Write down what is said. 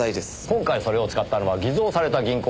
今回それを使ったのは偽造された銀行画面です。